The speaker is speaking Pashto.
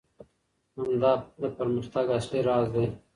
همدا د پرمختګ اصلي راز دی.